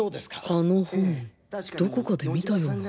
あの本どこかで見たような